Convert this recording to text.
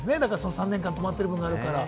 ３年間止まってる部分があるから。